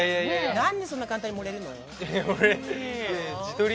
何でそんな簡単に盛れるの？